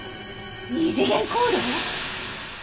二次元コード！？